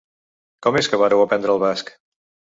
Com és que vàreu aprendre el basc?